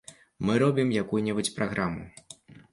Мы робім якую-небудзь праграму.